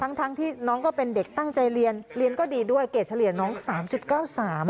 ทั้งทั้งที่น้องก็เป็นเด็กตั้งใจเรียนเรียนก็ดีด้วยเกรดเฉลี่ยน้องสามจุดเก้าสาม